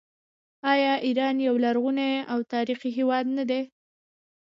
آیا ایران یو لرغونی او تاریخي هیواد نه دی؟